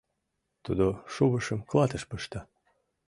Тудо шувышым клатыш пышта.